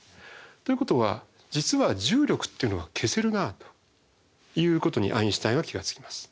ということは実は重力っていうのは消せるなということにアインシュタインは気が付きます。